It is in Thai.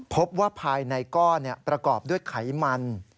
พบว่าภายในก้อนประกอบด้วยไขมัน